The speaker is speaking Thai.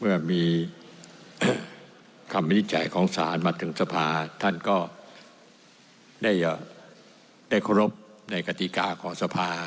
เมื่อมีคำวินิจฉัยของศาลมาถึงสภาท่านก็ได้เคารพในกติกาของสภา